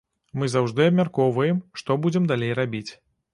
Мы заўжды абмяркоўваем, што будзем далей рабіць.